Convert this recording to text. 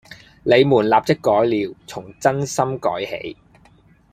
「你們立刻改了，從眞心改起！